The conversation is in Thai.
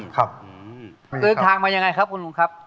เดินทางมายังไงครับคุณลุงครับ